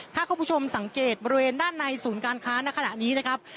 ถ้าคุณผู้ชมสังเกตบริเวณด้านในศูนย์การค้าในขณะนี้นะครับ